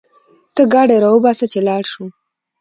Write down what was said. ته ګاډی راوباسه چې لاړ شو